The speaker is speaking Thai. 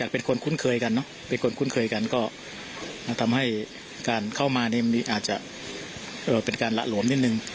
ก็ทำให้การเข้ามาอาจจะเป็นระหลวม